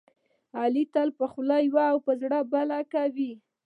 علي تل په خوله یوه او په زړه بله کوي.